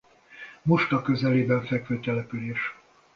Muska közelében fekvő település.